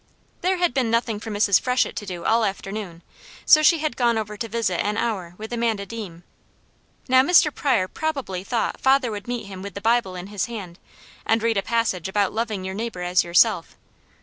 There had been nothing for Mrs. Freshett to do all afternoon, so she had gone over to visit an hour with Amanda Deam. Now Mr. Pryor probably thought father would meet him with the Bible in his hand, and read a passage about loving your neighbour as yourself.